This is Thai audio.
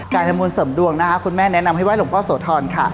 ทำบุญเสริมดวงนะคะคุณแม่แนะนำให้ไห้หลวงพ่อโสธรค่ะ